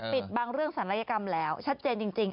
ปิดบังเรื่องศัลยกรรมแล้วชัดเจนจริง